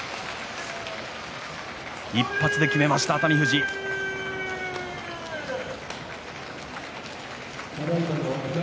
１発で決めました、熱海富士です。